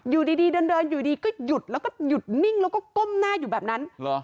อยู่ดีเดินอยู่ดีก็หยุดแล้วก็หยุดนิ่งแล้วก็ก้มหน้าอยู่แบบนั้น